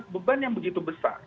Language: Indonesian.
beban yang begitu besar